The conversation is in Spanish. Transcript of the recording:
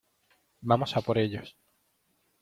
vamos a por ellos.